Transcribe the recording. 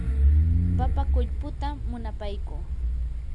papa qullputa munapaykuu.